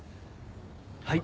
はい。